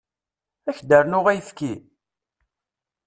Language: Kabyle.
Ad ak-d-rnuɣ ayefki?